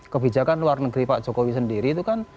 kebijakan luar negeri pak jokowi sendiri itu kan